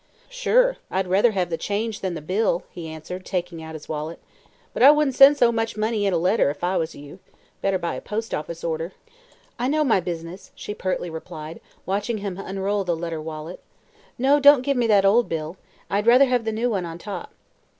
"Sure; I'd ruther hev the change than the bill," he answered, taking out his wallet. "But I wouldn't send so much money in a letter, if I was you. Better buy a post office order." "I know my business," she pertly replied, watching him unroll the leather wallet. "No; don't give me that old bill. I'd rather have the new one on top."